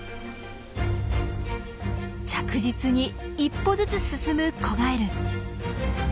着実に一歩ずつ進む子ガエル。